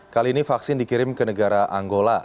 kali ini vaksin dikirim ke negara anggola